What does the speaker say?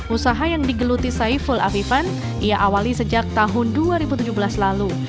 usaha yang digeluti saiful afifan ia awali sejak tahun dua ribu tujuh belas lalu